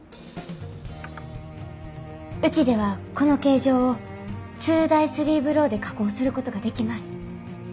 うちではこの形状を２ダイ３ブローで加工することができます。